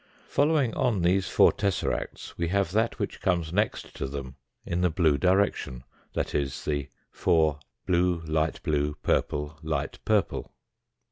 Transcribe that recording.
Following on these four tesseracts we have that which comes next to them in the blue direction, that is the four blue, light blue, purple, light purple.